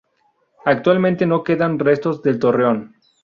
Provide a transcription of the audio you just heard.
Actualmente no quedan restos del torreón.